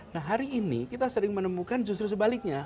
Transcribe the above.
nah hari ini kita sering menemukan justru sebaliknya